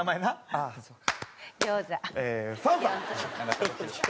ああそうだ。